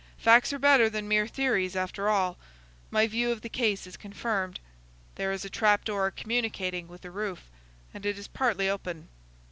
"Facts are better than mere theories, after all. My view of the case is confirmed. There is a trap door communicating with the roof, and it is partly open."